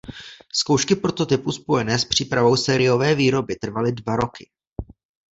Zkoušky prototypu spojené s přípravou sériové výroby trvaly dva roky.